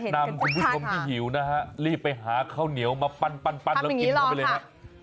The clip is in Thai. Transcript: นำคุณผู้ชมที่หิวนะฮะรีบไปหาข้าวเหนียวมาปั้นแล้วกินเข้าไปเลยฮะ